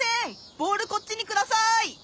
ボールこっちにください！